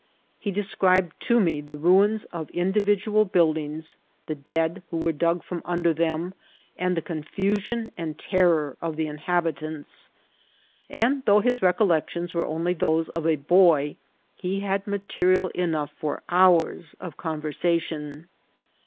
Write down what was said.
He described to me the ruins of in* dividual buildings, the dead who were dug from under them, and the confusion and terror of the inhabitants ; and though his recollections were only those of a boy, he had material enough for hours of conversation.